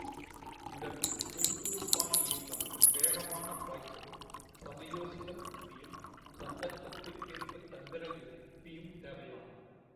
இதற்கு சுறுசுறுப்பான இயக்கமும், வேகமான பாய்ச்சலும், சமயோசிதப் புத்தியும், சந்தர்ப்பத்திற்கேற்ப தந்திர யுக்தியும் தேவையாகும்.